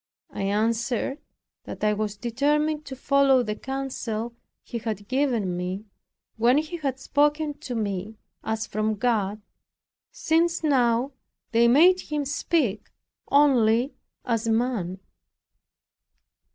I answered, that I was determined to follow the counsel he had given me, when he had spoken to me as from God, since now they made him speak only as man.